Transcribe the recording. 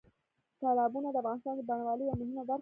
تالابونه د افغانستان د بڼوالۍ یوه مهمه برخه ده.